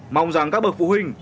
mong rằng các bậc phụ huynh